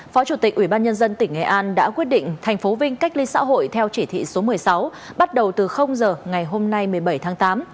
phó chủ tịch ubnd tỉnh nghệ an đã quyết định thành phố vinh cách ly xã hội theo chỉ thị số một mươi sáu bắt đầu từ giờ ngày hôm nay một mươi bảy tháng tám